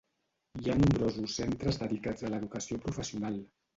Hi ha nombrosos centres dedicats a l'educació professional.